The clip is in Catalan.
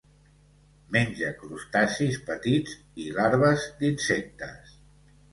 Menja crustacis petits i larves d'insectes.